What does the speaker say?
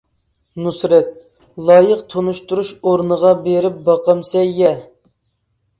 نۇسرەت: لايىق تونۇشتۇرۇش ئورنىغا بېرىپ باقامسەن يە.